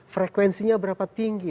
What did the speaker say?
frekuensinya berapa tinggi